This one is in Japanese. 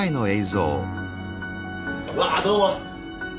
うわあどうも！